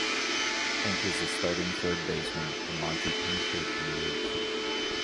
Hank was the starting third baseman, and Monte pinch hit in the eighth.